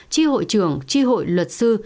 chi hội trưởng chi hội luật sư